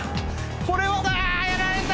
これは。やられた！